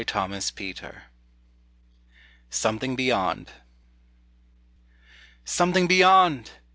CHARLES HOBART. SOMETHING BEYOND. Something beyond!